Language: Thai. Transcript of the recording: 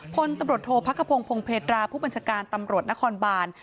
พลตำรวจโทษพักขพงศพงเพตราผู้บัญชาการตำรวจนครบาน